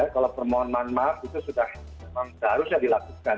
kalau permohonan maaf itu sudah memang seharusnya dilakukan